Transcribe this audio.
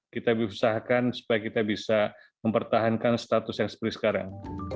kita berusahakan supaya kita bisa mempertahankan status yang seperti sekarang